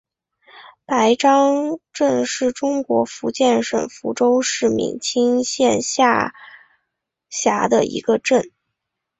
白樟镇是中国福建省福州市闽清县下辖的一个镇。